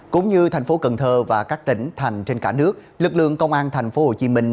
cũng như thành phố cần thơ và các tỉnh thành trên cả nước lực lượng công an thành phố hồ chí minh